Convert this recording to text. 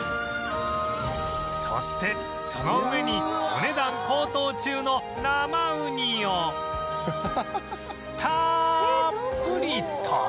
そしてその上にお値段高騰中の生ウニをたーっぷりと